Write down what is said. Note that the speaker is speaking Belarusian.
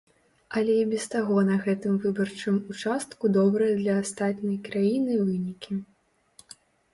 Але і без таго на гэтым выбарчым участку добрыя для астатняй краіны вынікі.